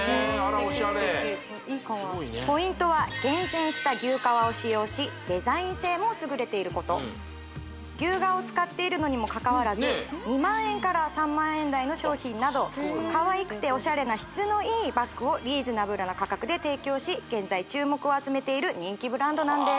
オシャレポイントは厳選した牛革を使用しデザイン性も優れていること牛革を使っているのにもかかわらず２万円から３万円台の商品などかわいくてオシャレな質のいいバッグをリーズナブルな価格で提供し現在注目を集めている人気ブランドなんです